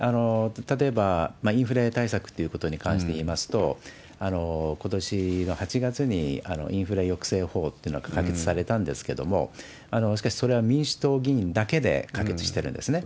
例えば、インフレ対策っていうことに関していいますと、ことしの８月にインフレ抑制法っていうのが可決されたんですけれども、しかし、それは民主党議員だけで可決してるんですね。